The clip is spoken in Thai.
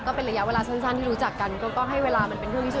เป็นระยะเวลาสั้นที่รู้จักกันก็ให้เวลามันเป็นเครื่องวิศว